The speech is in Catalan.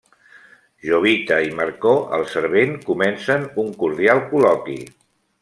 Jovita i Marcó, el servent, comencen un cordial col·loqui.